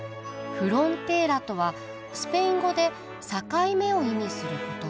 フロンテーラとはスペイン語で境目を意味する言葉。